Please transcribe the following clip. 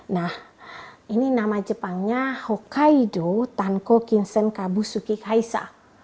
nah ini nama jepangnya hokkaido tanko kinsen kabu suki kaisa